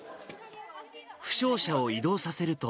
負傷者を移動させると。